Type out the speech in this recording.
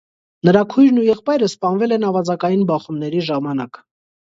Նրա քույրն ու եղբայրը սպանվել են ավազակային բախումների ժամանակ։